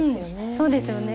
そうですよね